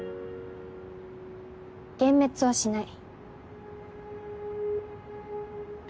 幻滅はしない。